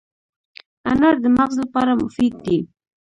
انار د مغز لپاره مفید دی.